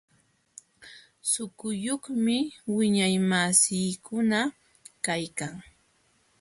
Suquyuqmi wiñaymasiikuna kaykan.